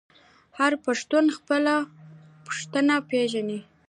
هر پښتون خپل اوه پيښته پیژني.